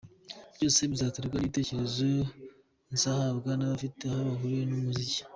Byose bizaterwa n’ibitekerezo nzahabwa n’abafite aho bahurira n’umuziki.